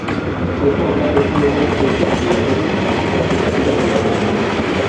Esta obra es un libro de texto obligatorio en el sistema educativo salvadoreño.